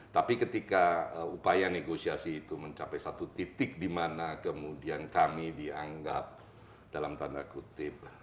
tapi ketika upaya negosiasi itu mencapai satu titik di mana kemudian kami dianggap dalam tanda kutip